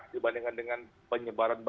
dibandingkan dengan penyebaran data